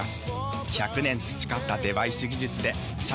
１００年培ったデバイス技術で社会に幸せを作ります。